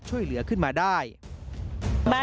จึงไม่ได้เอดในแม่น้ำ